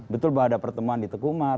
betul bahwa ada pertemuan di teguh umar